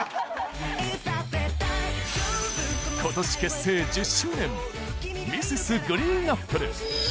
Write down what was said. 今年結成１０周年 Ｍｒｓ．ＧＲＥＥＮＡＰＰＬＥ